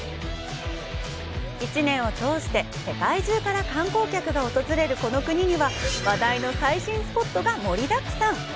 １年を通して世界中から観光客が訪れるこの国には話題の最新スポットが盛りだくさん！